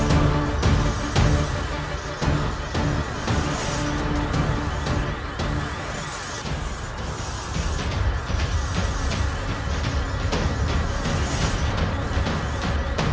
kau tidak akan menarik dirimu